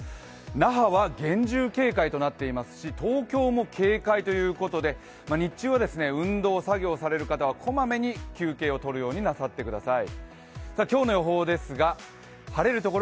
那覇は厳重警戒となっていますし東京も警戒ということで、日中は運動、作業をされる方は小まめに休憩をとるようになさってください。